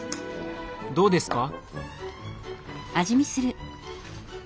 どうですか？